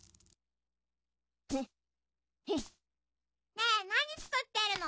ねえなにつくってるの？